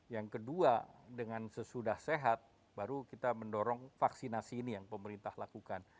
yang kedua dengan sesudah sehat baru kita mendorong vaksinasi ini yang pemerintah lakukan